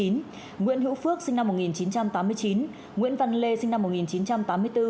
nguyễn hữu phước sinh năm một nghìn chín trăm tám mươi chín nguyễn văn lê sinh năm một nghìn chín trăm tám mươi bốn